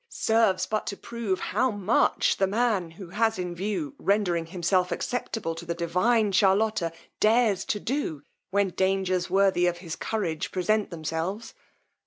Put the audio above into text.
serves but to prove how much the man, who has in view rendering himself acceptable to the divine Charlotta, dares to do, when dangers worthy of his courage present themselves.